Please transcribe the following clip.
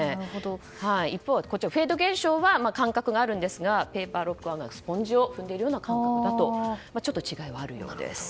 一方、フェード現象は感覚があるんですがベーパーロックはスポンジを踏んでいるような感じでちょっと違いはあるようです。